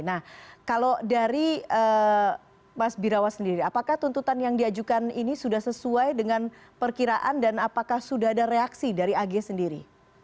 nah kalau dari mas birawa sendiri apakah tuntutan yang diajukan ini sudah sesuai dengan perkiraan dan apakah sudah ada reaksi dari ag sendiri